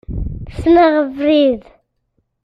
Ssneɣ abrid.